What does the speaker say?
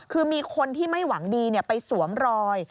คือมีคนที่ไม่หวังดีไปสวมรอย